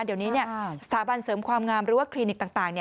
เดี๋ยวนี้สถาบันเสริมความงามหรือว่าคลินิกต่าง